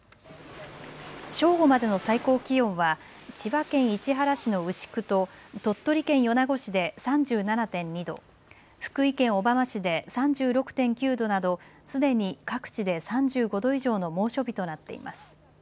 正午までの最高気温は千葉県市原市の牛久と鳥取県米子市で３７．２度、福井県小浜市で３６．９度などすでに各地で３５度以上の猛暑日となっています。